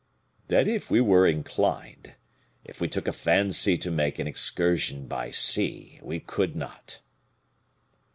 "That if we were inclined if we took a fancy to make an excursion by sea, we could not."